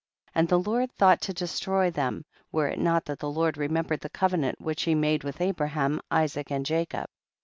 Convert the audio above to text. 15. And the Lord thought to de stroy them, were it not that the Lord remembered the covenant which he had made with Abraham, Isaac and Jacob.